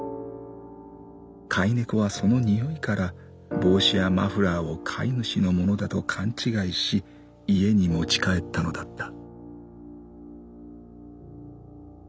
飼い猫はその匂いから帽子やマフラーを飼い主のものだと勘違いし家に持ち帰ったのだった」。